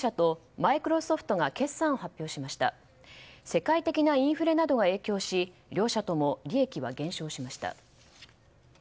世界的なインフレなどが影響し両社とも利益は減少しました。